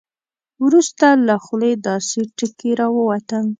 وروسته له خولې داسې ټکي راووتل.